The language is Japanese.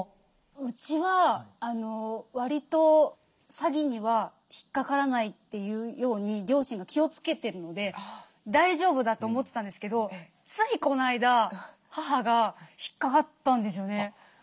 うちはわりと詐欺には引っかからないというように両親が気をつけてるので大丈夫だと思ってたんですけどついこの間母が引っかかったんですよね。